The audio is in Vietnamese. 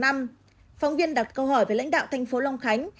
phóng viên đặt câu hỏi về lãnh đạo tp long khánh